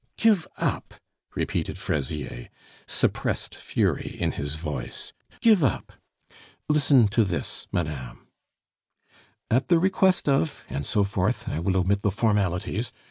"Give up!" repeated Fraisier, suppressed fury in his voice. "Give up! ... Listen to this, madame: "'At the request of'... and so forth (I will omit the formalities)...